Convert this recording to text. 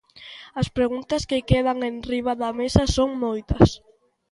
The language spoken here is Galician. As preguntas que quedan enriba da mesa son moitas.